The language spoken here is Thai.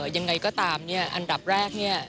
ยังไงก็ตามเนี่ยอันดับแรกเนี่ย